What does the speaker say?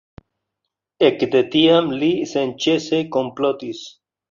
Ekde tiam li senĉese komplotis.